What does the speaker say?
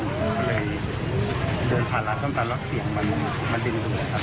เลยโดยทางทางส้มตำุแล้วเสียงมันอื่นมาดื่มเวียบ